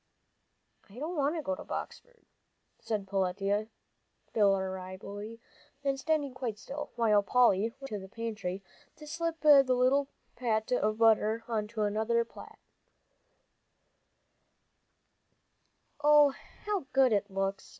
"I don't want to go to Boxford," said Peletiah, deliberately, and standing quite still, while Polly ran into the pantry to slip the little pat of butter on to another plate. "Oh, how good it looks!"